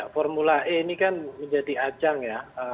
formula e ini kan menjadi ajang ya